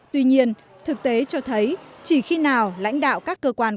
tuy nhiên thực tế cho thấy chỉ khi nào lãnh đạo các cơ quan quản lý